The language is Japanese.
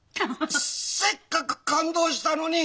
せっかく感動したのに。